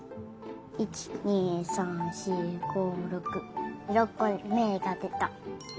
１２３４５６６こめがでた。